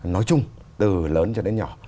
nói chung từ lớn cho đến nhỏ